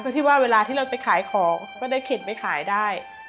เพื่อที่ว่าเวลาที่เราไปขายของก็ได้เข็นไปขายได้